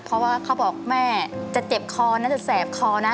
เพราะว่าเขาบอกแม่จะเจ็บคอน่าจะแสบคอนะ